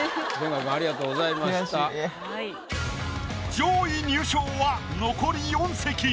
上位入賞は残り４席。